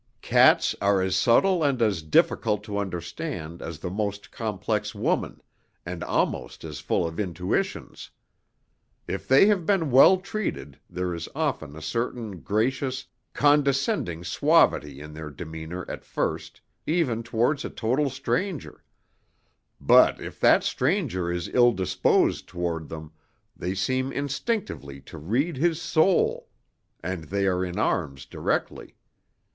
"Cats are as subtle and as difficult to understand as the most complex woman, and almost as full of intuitions. If they have been well treated, there is often a certain gracious, condescending suavity in their demeanour at first, even towards a total stranger; but if that stranger is ill disposed toward them, they seem instinctively to read his soul, and they are in arms directly.